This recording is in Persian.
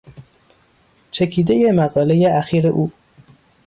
چکیدهی مقالهی اخیر او